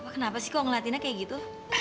kenapa sih kok ngeliatinnya kayak gitu